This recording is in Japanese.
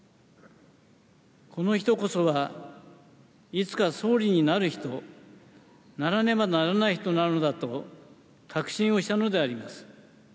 この人こそは、いつか総理になる人、ならねばならない人なのだと確信をしたのであります。